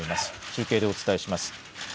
中継でお伝えします。